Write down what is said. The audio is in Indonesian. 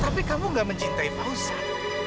tapi kamu gak mencintai fausan